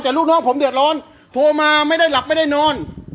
แต่ลูกน้องผมเดือดร้อนโทรมาไม่ได้หลับไม่ได้นอน